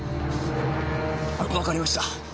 わかりました。